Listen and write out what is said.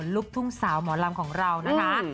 ลูกทุ่งสาวหมอลำของเรานะคะ